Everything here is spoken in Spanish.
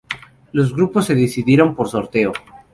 Los grupos se decidieron por sorteo.